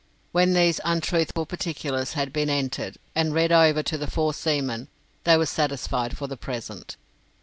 When these untruthful particulars had been entered and read over to the four seamen, they were satisfied for the present.